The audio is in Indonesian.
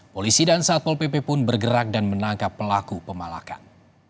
polisi dan satpol pp pun bergerak dan menangkap pelaku pemalakan